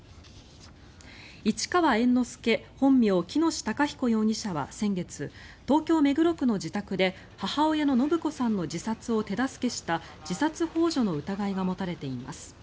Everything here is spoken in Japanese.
市川猿之助本名・喜熨斗孝彦容疑者は先月東京・目黒区の自宅で母親の延子さんの自殺を手助けした自殺ほう助の疑いが持たれています。